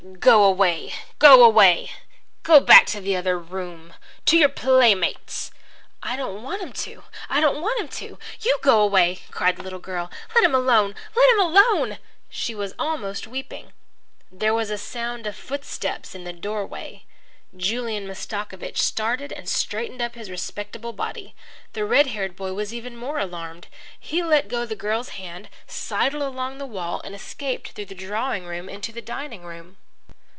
"Go away! Go away! Go back to the other room, to your playmates." "I don't want him to. I don't want him to! You go away!" cried the girl. "Let him alone! Let him alone!" She was almost weeping. There was a sound of footsteps in the doorway. Julian Mastakovich started and straightened up his respectable body. The red haired boy was even more alarmed. He let go the girl's hand, sidled along the wall, and escaped through the drawing room into the dining room.